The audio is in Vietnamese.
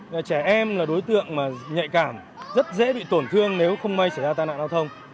trẻ em là đối tượng nhạy cảm rất dễ bị tổn thương nếu không may xảy ra tai nạn giao thông